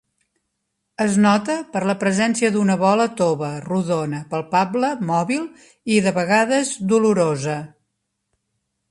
Es nota per la presència d'una bola tova, rodona, palpable, mòbil i de vegades dolorosa.